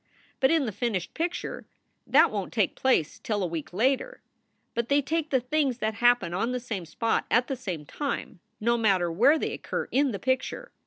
But in the finished picture that won t take place till a week later. But they take the things that happen on the same spot at the same time, no matter where they occur in the picture.